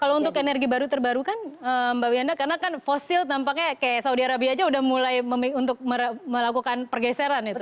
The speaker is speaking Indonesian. kalau untuk energi baru terbarukan mbak wiyanda karena kan fosil tampaknya kayak saudi arabia aja udah mulai untuk melakukan pergeseran gitu